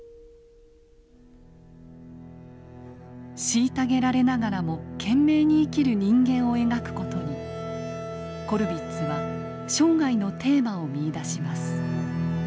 虐げられながらも懸命に生きる人間を描く事にコルヴィッツは生涯のテーマを見いだします。